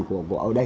của vợ ở đây